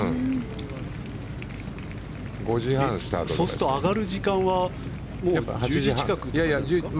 そうすると上がる時間は１０時近くとかですか。